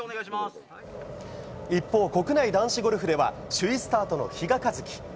一方、国内男子ゴルフでは首位スタートの比嘉一貴。